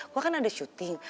lo kan ada syuting